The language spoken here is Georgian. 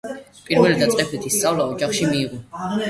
პირველდაწყებითი სწავლა ოჯახში მიიღო.